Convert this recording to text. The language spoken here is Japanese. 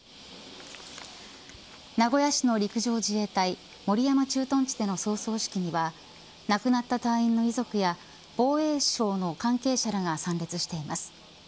名古屋市の陸上自衛隊守山駐屯地での葬送式では亡くなった隊員の遺族や防衛省の関係者らが参列しています。